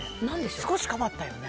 少し変わったよね。